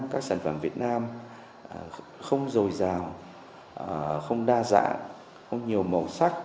các sản phẩm việt nam không dồi dào không đa dạng có nhiều màu sắc